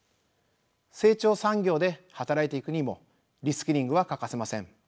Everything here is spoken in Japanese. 成長産業で働いていくにもリスキリングは欠かせません。